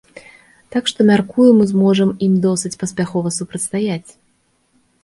Так што, мяркую, мы зможам ім досыць паспяхова супрацьстаяць.